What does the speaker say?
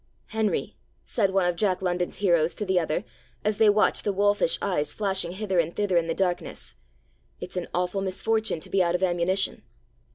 'Henry,' said one of Jack London's heroes to the other, as they watched the wolfish eyes flashing hither and thither in the darkness, 'it's an awful misfortune to be out of ammunition!'